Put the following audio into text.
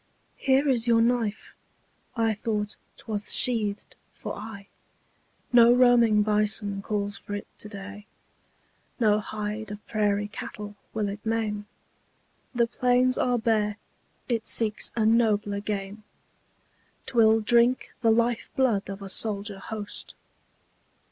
Here is your knife! I thought 'twas sheathed for aye. No roaming bison calls for it to day; No hide of prairie cattle will it maim; The plains are bare, it seeks a nobler game: 'Twill drink the life blood of a soldier host.